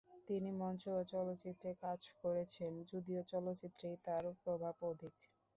তিনি মঞ্চ ও চলচ্চিত্রে কাজ করেছেন, যদিও চলচ্চিত্রেই তার প্রভাব অধিক।